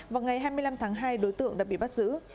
vào ngày hai mươi năm tháng hai đối tượng đã bị bắt giữ